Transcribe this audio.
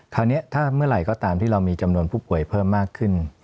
คราวนี้ถ้าเมื่อไหร่ก็ตามที่เรามีจำนวนผู้ป่วยเพิ่มมากขึ้น